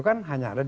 nah saya maksud